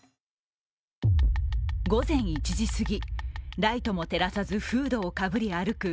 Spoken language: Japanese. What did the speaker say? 午前１時すぎ、ライトも照らさずフードをかぶり歩く